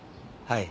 はい。